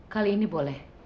kali ini boleh